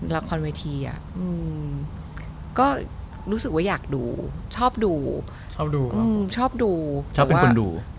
ละครเวทีก็รู้สึกว่าอยากดูชอบดูชอบดูชอบดูชอบเป็นคนดู